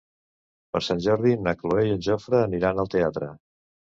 Per Sant Jordi na Cloè i en Jofre aniran al teatre.